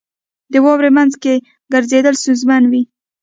• د واورې مینځ کې ګرځېدل ستونزمن وي.